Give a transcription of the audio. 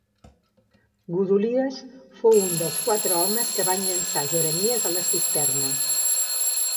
Godolies fou un dels quatre homes que van llançar Jeremies a la cisterna.